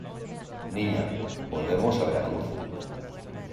niña, volveremos a Veracruz.